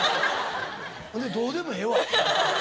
ほんでどうでもええわ。